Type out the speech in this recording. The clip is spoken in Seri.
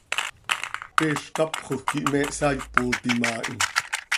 Peez cápxajö quih me hsaaipotim haa hi.